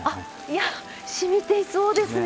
やっしみていそうですね。